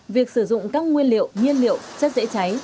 việc sử dụng các nguyên liệu nhiên liệu chất dễ cháy